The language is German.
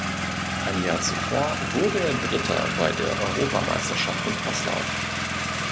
Ein Jahr zuvor wurde er Dritter bei der Europameisterschaft im Crosslauf.